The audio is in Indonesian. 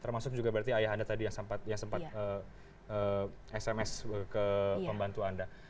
termasuk juga berarti ayah anda tadi yang sempat sms ke pembantu anda